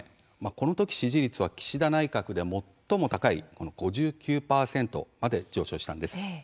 この時、支持率は岸田内閣で最も高い５９％まで上昇しました。